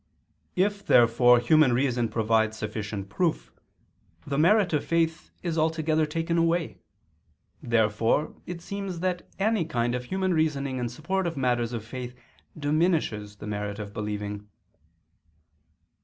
If, therefore, human reason provides sufficient proof, the merit of faith is altogether taken away. Therefore it seems that any kind of human reasoning in support of matters of faith, diminishes the merit of believing.